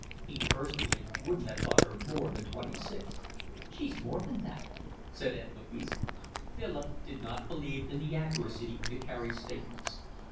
He personally wouldn't have thought her more than twenty six. "She's more than that," said Aunt Louisa. Philip did not believe in the accuracy of the Careys' statements.